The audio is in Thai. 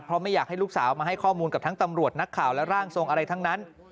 เพราะไม่อยากให้ลูกสาวมาให้ข้อมูลกับทั้งตำรวจนักข่าวและร่างทรงอะไรทั้งนั้น